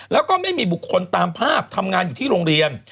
แล้วก็ไม่มีบุคคลตามภาพทำงานอยู่ที่โรงเรียน